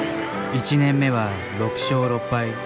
１年目は６勝６敗。